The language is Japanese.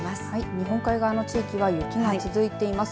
日本海側の地域は雪が続いています。